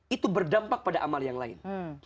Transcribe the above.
itu berdampak pada amal yang lain